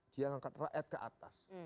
dia ngangkat rakyat ke atas